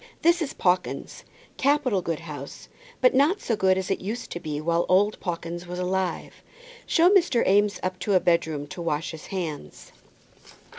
This is Pawkins's, capital good house, but not so good as it used to be while old Pawkins was alive. Show Mr. Eames up into a bedroom to wash his hands."